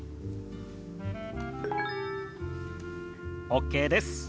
ＯＫです。